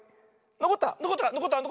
のこった。